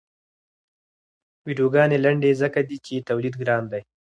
ویډیوګانې لنډې ځکه دي چې تولید ګران دی.